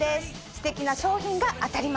ステキな商品が当たります。